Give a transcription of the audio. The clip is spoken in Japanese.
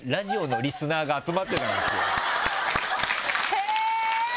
へぇ！